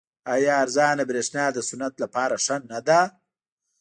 آیا ارزانه بریښنا د صنعت لپاره ښه نه ده؟